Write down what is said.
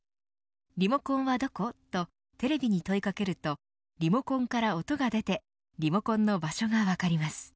リモコンはどこ、とテレビに問い掛けるとリモコンから音が出てリモコンの場所が分かります。